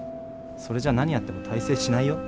それじゃ何やっても大成しないよ。